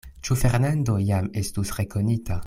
Ĉu Fernando jam estus rekonita?